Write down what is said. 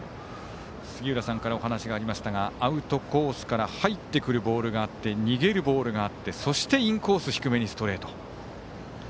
杉浦さんからお話がありましたがアウトコースから入ってくるボールがあって逃げるボールがあってそしてインコース低めにストレート。